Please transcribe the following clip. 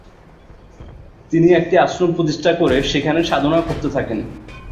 তিনি একটি আশ্রম প্রতিষ্ঠা করে সেখানে সাধনা করতে থাকেন।